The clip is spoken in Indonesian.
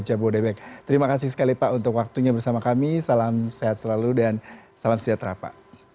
jabodebek terima kasih sekali pak untuk waktunya bersama kami salam sehat selalu dan salam sejahtera pak